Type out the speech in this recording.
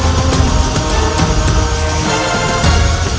apa yang bisa usahaku untuk siapkan hebat